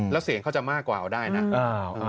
แล้วเสียงเขาจะมากกว่าเอาได้นะ